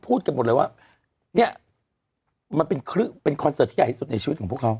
พูดกันหมดเลยว่าเนี่ยมันเป็นคอนเสิร์ตที่ใหญ่ที่สุดในชีวิตของพวกเขา